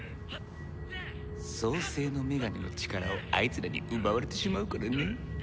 創世の女神の力をあいつらに奪われてしまうからね。